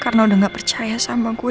karena udah gak percaya sama gue